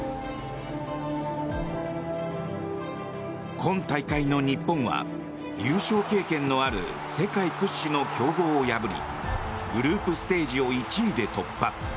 今大会の日本は優勝経験のある世界屈指の強豪を破りグループステージを１位で突破。